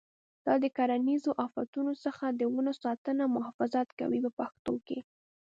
دا د کرنیزو آفتونو څخه د ونو ساتنه او محافظت کوي په پښتو کې.